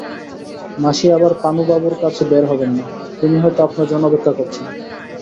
মাসি আবার পানুবাবুর কাছে বের হবেন না, তিনি হয়তো আপনার জন্যে অপেক্ষা করছেন।